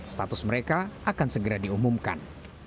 status mereka akan segera diumumkan